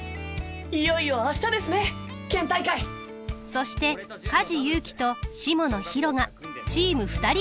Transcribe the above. いよいよあしたですね県大会！そして梶裕貴と下野紘が「チームふたり」を演じる。